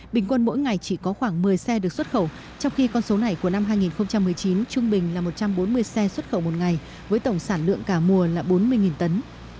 bình quân mỗi ngày chỉ có khoảng một mươi xe được xuất khẩu trong khi con số này của năm hai nghìn một mươi chín trung bình là một trăm bốn mươi xe xuất khẩu một ngày với tổng sản lượng cả mùa là bốn mươi tấn